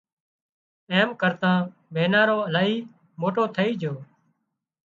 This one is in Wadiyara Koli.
ايم ڪرتان مينارو الاهي موٽو ٿئي جھو